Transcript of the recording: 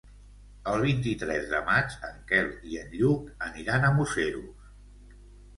El vint-i-tres de maig en Quel i en Lluc aniran a Museros.